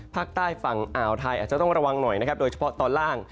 ภาคใต้ฝั่งอ่าวไทยอาจจะต้องระวังหน่อยนะครับโดยเฉพาะตอนล่าง